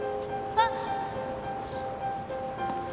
・あっ